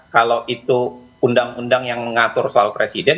kalau itu undang undang yang mengatur soal presiden